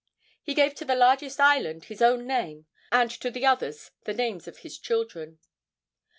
He gave to the largest island his own name, and to the others the names of his children.